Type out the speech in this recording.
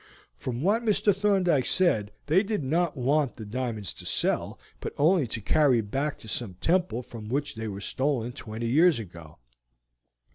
From what Mr. Thorndyke said they did not want the diamonds to sell, but only to carry back to some temple from which they were stolen twenty years ago."